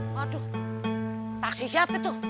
waduh tak siap itu